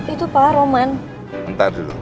itu pak roman